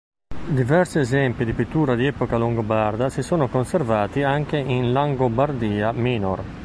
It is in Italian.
Diversi esempi di pittura di epoca longobarda si sono conservati anche in "Langobardia Minor".